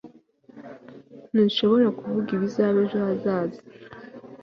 ntushobora kuvuga ibizaba ejo hazaza